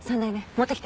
持ってきて。